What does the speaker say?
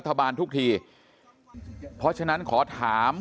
คุณวราวุฒิศิลปะอาชาหัวหน้าภักดิ์ชาติไทยพัฒนา